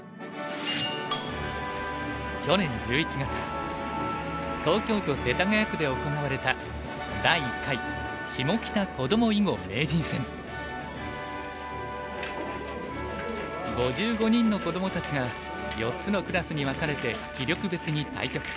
去年１１月東京都世田谷区で行われた５５人の子どもたちが４つのクラスに分かれて棋力別に対局。